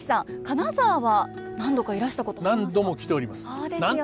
金沢は何度かいらしたことありますか？